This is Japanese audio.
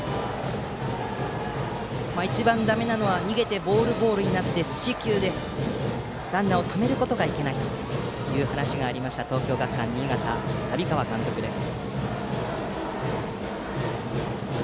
一番だめなのは逃げてボール、ボールになって四死球でランナーをためることがいけないという話がありました東京学館新潟の旅川監督です。